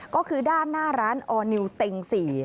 ก็คือด้านหน้าร้านออร์นิวเต็ง๔